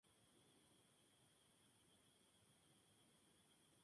En Venecia, donde no eran conocidos, podían hacer lo que quisieran sin levantar sospechas.